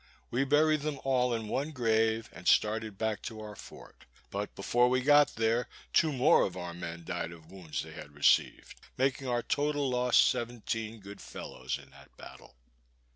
We buried them all in one grave, and started back to our fort; but before we got there, two more of our men died of wounds they had received; making our total loss seventeen good fellows in that battle.